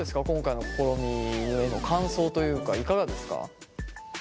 今回の試みの感想というかいかがですか？